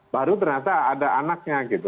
baru ternyata ada anaknya gitu